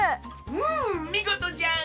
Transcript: うんみごとじゃ！